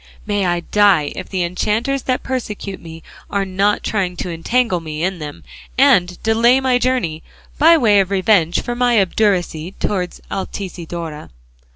May I die if the enchanters that persecute me are not trying to entangle me in them and delay my journey, by way of revenge for my obduracy towards Altisidora.